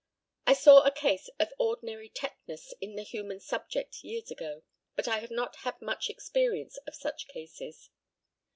I saw a case of ordinary tetanus in the human subject years ago, but I have not had much experience of such cases.